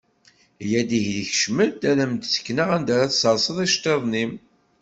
Yya-d ihi kcem-d, ad am-d-sekneɣ anda ara tserseḍ iceṭṭiḍen-im.